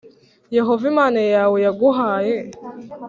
Yehova Imana yawe yaguhaye,